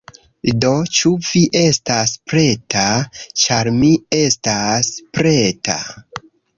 Do, ĉu vi estas preta? ĉar mi estas preta!